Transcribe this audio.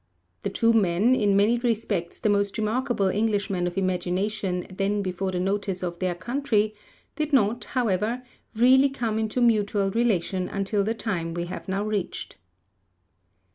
The two men, in many respects the most remarkable Englishmen of imagination then before the notice of their country, did not, however, really come into mutual relation until the time we have now reached.